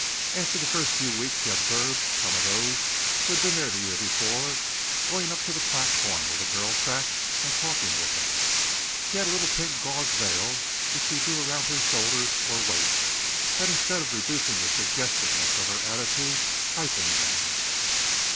After the first few weeks he observed some of those who had been there the year before going up to the platform where the girl sat, and talking with her. She had a little pink gauze veil which she drew around her shoulders or waist that instead of reducing the suggestiveness of her attitudes heightened them.